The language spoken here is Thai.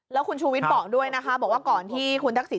แล้วคุณชูวิทย์บอกด้วยนะคะบอกว่าก่อนที่คุณทักษิณ